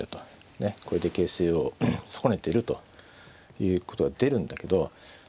ねこれで形勢を損ねているということは出るんだけどそれはね